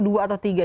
dua atau tiga